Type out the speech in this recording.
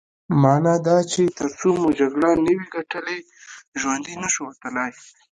مانا دا چې ترڅو مو جګړه نه وي ګټلې ژوندي نه شو وتلای.